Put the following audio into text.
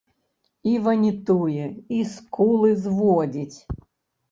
І ванітуе, і скулы зводзіць.